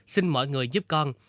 xin mọi người giúp con